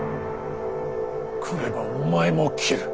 来ればお前も斬る。